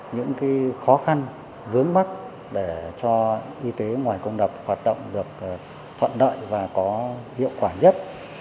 những khó khăn vướng mắt để cho y tế ngoài công đập hoạt động được thuận lợi và có hiệu quả nhất